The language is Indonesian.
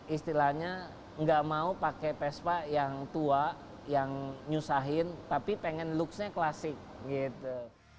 istilahnya nggak mau pakai vespa yang tua yang nyusahin tapi pengen looksnya klasik gitu